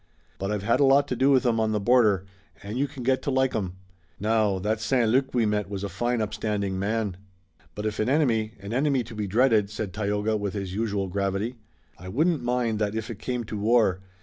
But I've had a lot to do with 'em on the border, and you can get to like 'em. Now, that St. Luc we met was a fine upstanding man." "But if an enemy, an enemy to be dreaded," said Tayoga with his usual gravity. "I wouldn't mind that if it came to war.